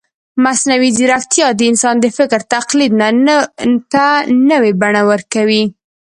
مصنوعي ځیرکتیا د انسان د فکر تقلید ته نوې بڼه ورکوي.